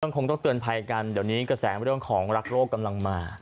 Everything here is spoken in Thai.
คงต้องเตือนภัยกันเดี๋ยวนี้กระแสเรื่องของรักโรคกำลังมา